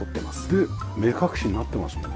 で目隠しになってますもんね。